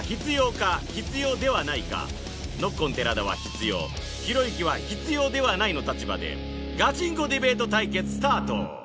ノッコン寺田は「必要」ひろゆきは「必要ではない」の立場でガチンコディベート対決スタート